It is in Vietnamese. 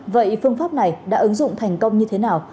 vậy phương pháp này đã ứng dụng thành công như thế nào